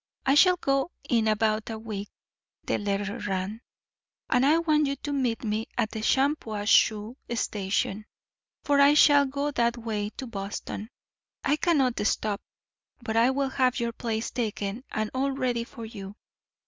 "I shall go in about a week," the letter ran; "and I want you to meet me at the Shampuashuh station; for I shall go that way to Boston. I cannot stop, but I will have your place taken and all ready for you.